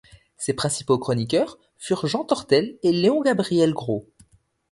Ses principaux chroniqueurs furent Jean Tortel et Léon-Gabriel Gros.